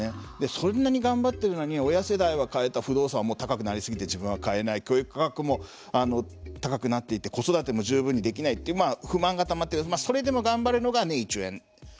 そんなに頑張ってるのに親世代が買えない不動産は自分は買えない教育価格も高くなっていて子育ても十分にできない不満がたまっているそれでも頑張るのがネイジュエン。